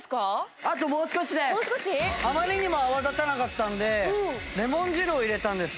あまりにも泡立たなかったのでレモン汁を入れたんです。